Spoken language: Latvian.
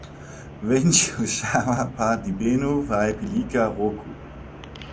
Viņš uzšāva pa dibenu vai pielika roku?